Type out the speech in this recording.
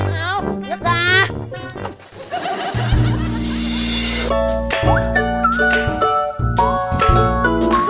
nhấc lên phường